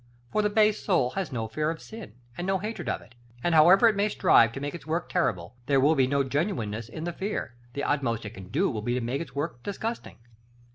For the base soul has no fear of sin, and no hatred of it: and, however it may strive to make its work terrible, there will be no genuineness in the fear; the utmost it can do will be to make its work disgusting.